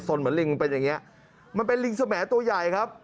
เหมือนลิงมันเป็นอย่างเงี้ยมันเป็นลิงสมตัวใหญ่ครับ